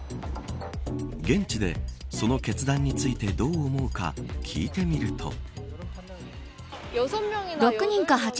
現地で、その決断についてどう思うか聞いてみると。